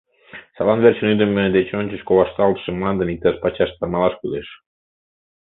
Садлан верчын ӱдымӧ деч ончыч ковашталтше мландым иктаж пачаш тырмалаш кӱлеш.